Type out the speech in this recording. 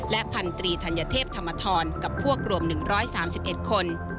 และพันธิธรรมทรีธัญเทพธรรมทรกับพวกรวมหนึ่งร้อยสามสิบเอ็ดคน